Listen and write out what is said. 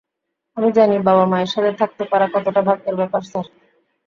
আমি জানি বাবা-মায়ের সাথে থাকতে পারা কতটা ভাগ্যের ব্যাপার, স্যার।